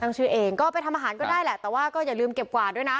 ชื่อเองก็ไปทำอาหารก็ได้แหละแต่ว่าก็อย่าลืมเก็บกวาดด้วยนะ